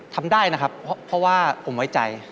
ทำได้นะครับเพราะว่าผมไว้ใจ